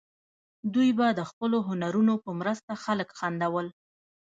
دوی به د خپلو هنرونو په مرسته خلک خندول.